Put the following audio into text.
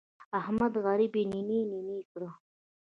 احمد غريب يې نينه نينه کړ.